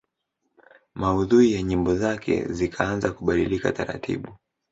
Maudhui ya nyimbo zake zikaanza kubadilika taratibu